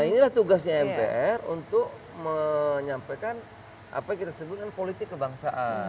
nah inilah tugasnya mpr untuk menyampaikan apa yang kita sebutkan politik kebangsaan